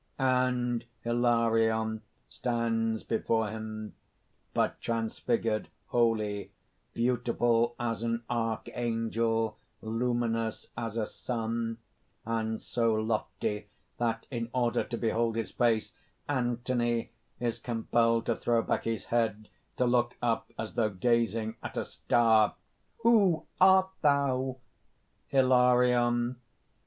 (_And Hilarion stands before him but transfigured wholly, beautiful as an archangel, luminous as a sun, and so lofty that in order to behold his face_ ANTHONY is compelled to throw back his head, to look up as though gazing as a star): "Who art thou?" HILARION.